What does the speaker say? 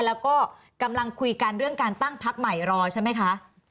แล้วก็กำลังคุยกันเรื่องการตั้งพักใหม่รอใช่ไหมคะ